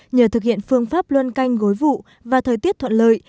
nhờ thực hiện phương pháp luân canh gối vụ và thời tiết thuận lợi